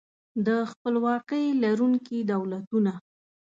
د خپلواکۍ لرونکي دولتونه